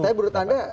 tapi menurut anda